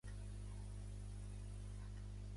La meva filla es diu Zoè: zeta, o, e amb accent obert.